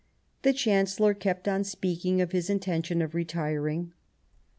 The Chancellor kept on speaking of his intention of retiring.